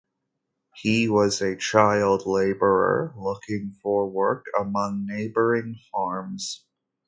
He was a child labourer, looking for work among neighbouring farms.